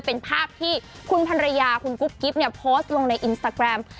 เป็นภาพที่คุณภรรยาคุณกุ๊บกิ๊บเนี่ยโพสต์ลงในอินสตาแกรม